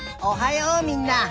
おはようみんな。